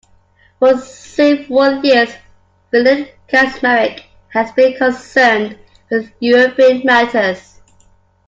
For several years Filip Kaczmarek has been concerned with European matters.